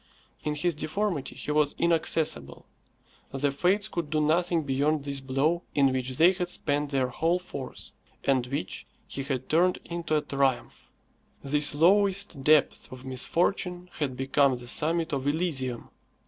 In his deformity he was inaccessible. The Fates could do nothing beyond this blow in which they had spent their whole force, and which he had turned into a triumph. This lowest depth of misfortune had become the summit of Elysium.